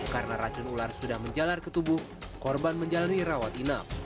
karena racun ular sudah menjalar ke tubuh korban menjalani rawat inap